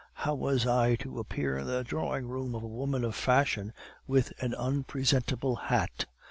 How was I to appear in the drawing room of a woman of fashion with an unpresentable hat?